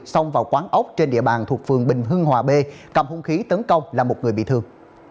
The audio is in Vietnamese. xông vào quán ốc trên địa bàn thuộc phường bình hưng hòa b cầm hung khí tấn công là một người bị thương